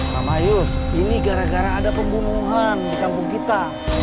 kamayus ini gara gara ada pembunuhan di kampung kita